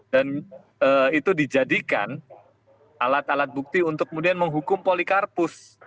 dan itu dijadikan alat alat bukti untuk kemudian menghukum polikarpus